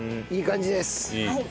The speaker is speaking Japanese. いい感じです。